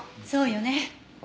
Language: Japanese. そうよね。